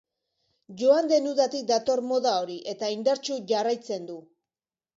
Joan den udatik dator moda hori eta indartsu jarraitzen du.